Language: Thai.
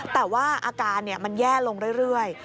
แต่ว่าอาการมันแย่ลงเรื่อย